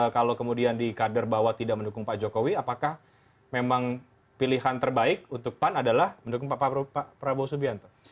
kalau kemudian di kader bahwa tidak mendukung pak jokowi apakah memang pilihan terbaik untuk pan adalah mendukung pak prabowo subianto